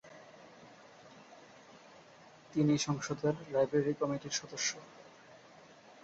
তিনি সংসদের লাইব্রেরি কমিটির সদস্য।